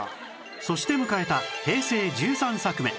そして迎えた平成１３作目